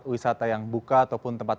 wisata yang buka ataupun tempat